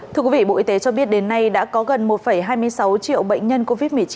thưa quý vị bộ y tế cho biết đến nay đã có gần một hai mươi sáu triệu bệnh nhân covid một mươi chín